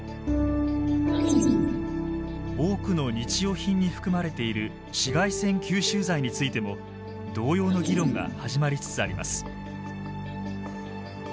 多くの日用品に含まれている紫外線吸収剤についても同様の議論が始まりつつあります。